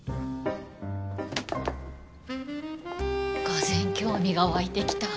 がぜん興味が湧いてきた。